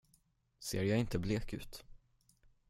Ser jag inte blek ut?